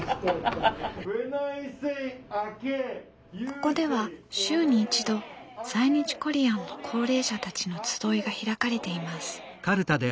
ここでは週に一度在日コリアンの高齢者たちの集いが開かれています。